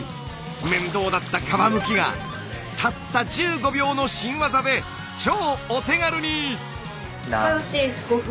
面倒だった皮むきがたった１５秒の新ワザで超お手軽に！